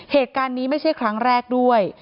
เหตุการณ์นี้ไม่ใช่ครั้งแรกด้วย